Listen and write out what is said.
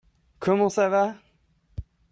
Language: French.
Comment ça va ?